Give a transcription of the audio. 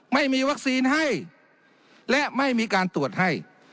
ไม่มีวัคซีนให้และไม่มีการตรวจให้